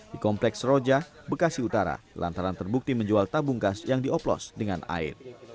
di kompleks roja bekasi utara lantaran terbukti menjual tabung gas yang dioplos dengan air